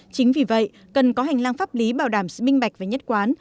chính vì vậy cần có hành lang pháp lý bảo đảm sự minh bạch và nhất quán